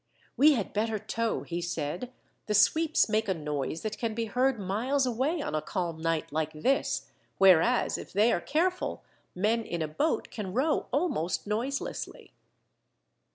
"We had better tow," he said; "the sweeps make a noise that can be heard miles away on a calm night like this, whereas, if they are careful, men in a boat can row almost noiselessly."